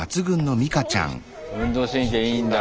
運動神経いいんだ。